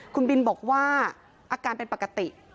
คุณบินบอกว่าอาการเป็นปกติ